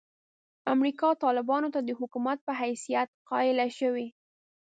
امریکا طالبانو ته د حکومت په حیثیت قایله شوې.